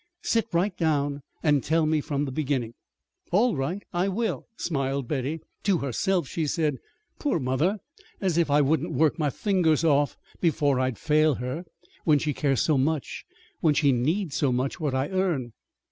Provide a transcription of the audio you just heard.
Sit right down and tell me from the beginning." "All right, I will," smiled Betty. To herself she said: "Poor mother! As if I wouldn't work my fingers off before I'd fail her, when she cares so much when she needs so much what I earn!"